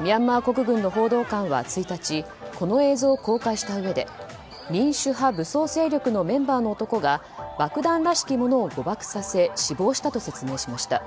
ミャンマー国軍の報道官は１日この映像を公開したうえで民主派武装勢力のメンバーの男が爆弾らしきものを誤爆させ死亡したと説明しました。